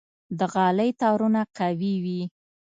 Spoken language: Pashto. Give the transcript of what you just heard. د غالۍ تارونه قوي وي.